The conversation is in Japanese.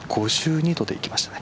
５２度いきましたね。